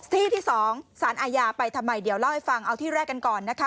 ที่ที่สองสารอาญาไปทำไมเดี๋ยวเล่าให้ฟังเอาที่แรกกันก่อนนะคะ